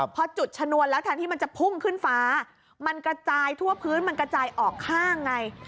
พอจุดชนวนแล้วแทนที่มันจะพุ่งขึ้นฟ้ามันกระจายทั่วพื้นมันกระจายออกข้างไง